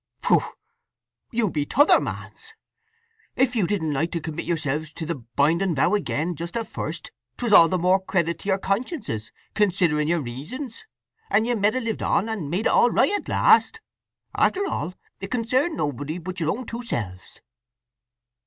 "Pshoo! You be t' other man's. If you didn't like to commit yourselves to the binding vow again, just at first, 'twas all the more credit to your consciences, considering your reasons, and you med ha' lived on, and made it all right at last. After all, it concerned nobody but your own two selves."